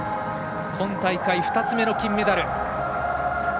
今大会、２つ目の金メダル。